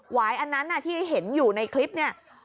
วายอันนั้นที่เห็นอยู่ในคลิปเนี่ย